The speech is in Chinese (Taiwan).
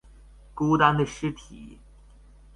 孤單的屍體